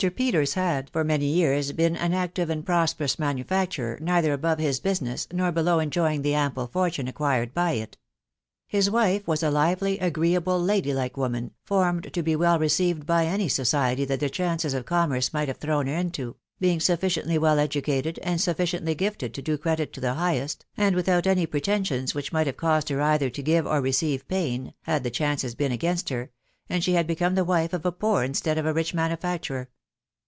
Peters had for many years been an active and prosperous manufacturer, neither above his business, /mf bflow enjoying the ample fortune acqnired by it ; his wife was a lirefyj sgremble, lady like woman, fewmeA to \*^^ «M WIDOW »ARNABY. 11 5 received by any society that the chances of commerce might have thrown Iter into, being sufficiently well educated and suf ficiently gifted to do credit to the highest, and without any pretensions which might have caused her either to give or re , ceive pain, had the chances been against her, and she had become the wife of a poor instead of a rieh manufacturer.